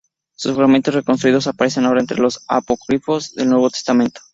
Sus fragmentos reconstruidos aparecen ahora entre los apócrifos del Nuevo Testamento.